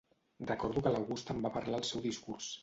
Recordo que l'August en va parlar al seu discurs.